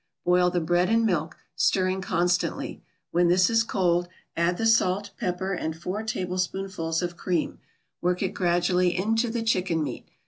Boil the bread and milk, stirring constantly; when this is cold, add the salt, pepper and four tablespoonfuls of cream; work it gradually into the chicken meat.